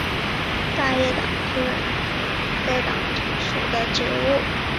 大叶党参是桔梗科党参属的植物。